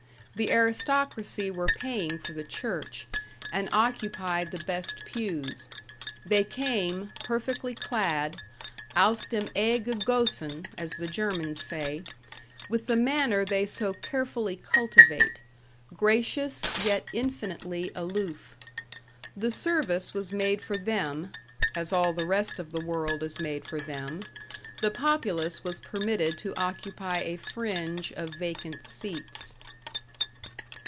The aristocracy were paying for the church, and occupied the best pews; they came, perfectly clad, aus dem Ei gegossen, as the Germans say, with the manner they so carefully cultivate, gracious, yet infinitely aloof. The service was made for them as all the rest of the world is made for them; the populace was permitted to occupy a fringe of vacant seats.